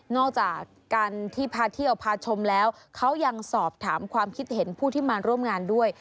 จากการที่พาเที่ยวพาชมแล้วเขายังสอบถามความคิดเห็นผู้ที่มาร่วมงานด้วย